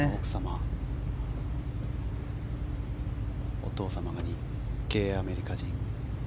お父様が日系アメリカ人。